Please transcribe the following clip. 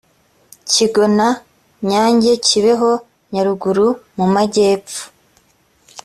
kigona nyange kibeho nyaruguru mu majyepfo